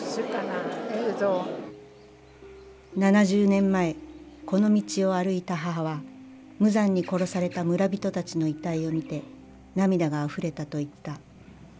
７０年前この道を歩いた母は無残に殺された村人たちの遺体を見て涙があふれたと言った。